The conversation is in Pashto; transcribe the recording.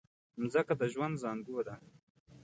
مځکه د ژوند زانګو ده.